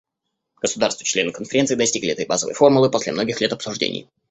Государства — члены Конференции достигли этой базовой формулы после многих лет обсуждений.